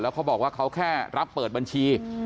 เขาบอกว่าเขาแค่รับเปิดบัญชี